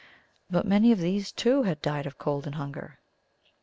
But many of these, too, had died of cold and hunger.